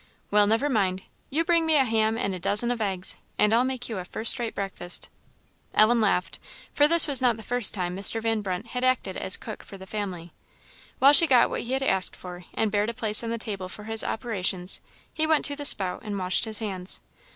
"Well never mind; you bring me a ham and a dozen of eggs, and I'll make you a first rate breakfast." Ellen laughed, for this was not the first time Mr. Van Brunt had acted as cook for the family. While she got what he had asked for, and bared a place on the table for his operations, he went to the spout and washed his hands.